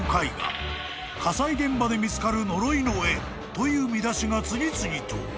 ［という見出しが次々と］